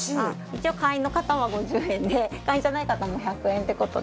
一応会員の方は５０円で会員じゃない方も１００円って事で。